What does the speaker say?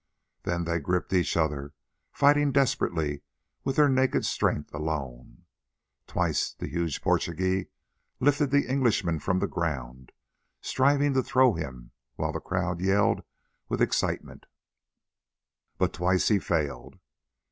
Then they gripped each other, fighting desperately with their naked strength alone. Twice the huge Portugee lifted the Englishman from the ground, striving to throw him, while the crowd yelled with excitement, but twice he failed.